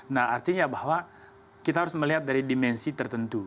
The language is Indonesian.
nah artinya bahwa kita harus melihat dari dimensi tertentu